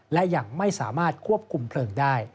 และยังไม่สามารถควบคุมเพลิงได้